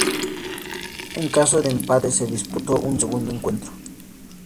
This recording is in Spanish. En caso de empate se disputó un segundo encuentro.